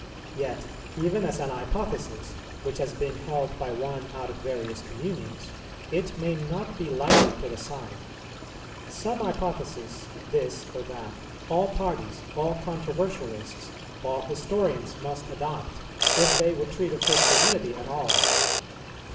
Yet even as an hypothesis, which has been held by one out of various communions, it may not be lightly put aside. Some hypothesis, this or that, all parties, all controversialists, all historians must adopt, if they would treat of Christianity at all.